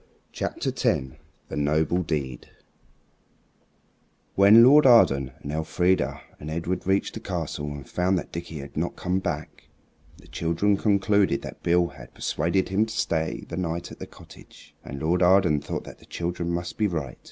CHAPTER X THE NOBLE DEED WHEN Lord Arden and Elfrida and Edred reached the castle and found that Dickie had not come back, the children concluded that Beale had persuaded him to stay the night at the cottage. And Lord Arden thought that the children must be right.